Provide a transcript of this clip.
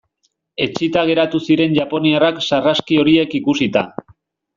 Etsita geratu ziren japoniarrak sarraski horiek ikusita.